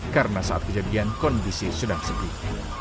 karena saat kejadian kondisi sudah sedih